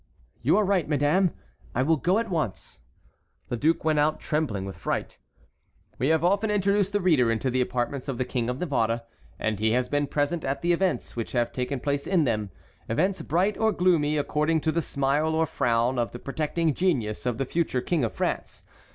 "You are right, madame. I will go at once." The duke went out, trembling with fright. We have often introduced the reader into the apartments of the King of Navarre, and he has been present at the events which have taken place in them, events bright or gloomy, according to the smile or frown of the protecting genius of the future king of France.